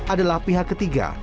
adalah pihak ketiga